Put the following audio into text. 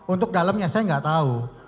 untuk dalamnya saya nggak tahu